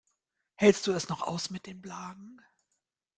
Hältst du es noch aus mit den Blagen?